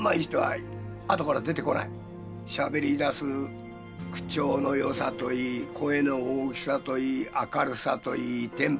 しゃべりだす口調の良さといい声の大きさといい明るさといいテンポといい